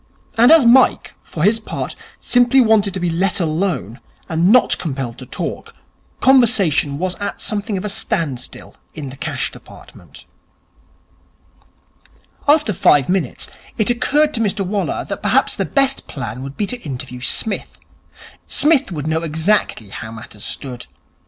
And as Mike, for his part, simply wanted to be let alone, and not compelled to talk, conversation was at something of a standstill in the Cash Department. After five minutes, it occurred to Mr Waller that perhaps the best plan would be to interview Psmith. Psmith would know exactly how matters stood.